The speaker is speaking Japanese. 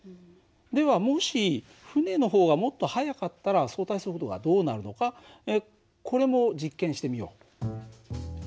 ではもし船の方がもっと速かったら相対速度がどうなるのかこれも実験してみよう。